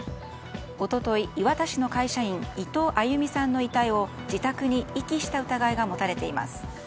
一昨日、磐田市の会社員伊藤亜佑美さんの遺体を自宅に遺棄した疑いが持たれています。